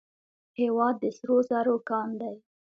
هیواد د سرو زرو کان دی